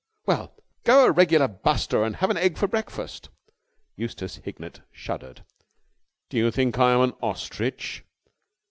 "Well, go a regular buster and have an egg for breakfast." Eustace Hignett shuddered. "Do you think I am an ostrich?"